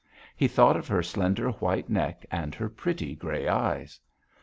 He thought of her slender white neck and her pretty, grey eyes.